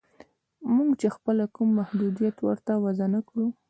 موږ چې خپله کوم محدودیت ورته وضع نه کړو